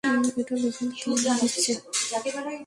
এটা বিভ্রান্ত করে দিচ্ছে।